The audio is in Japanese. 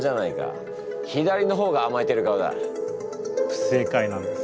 不正解なんです。